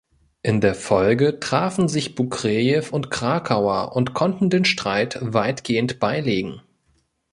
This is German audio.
In der Folge trafen sich Bukrejew und Krakauer und konnten den Streit weitgehend beilegen.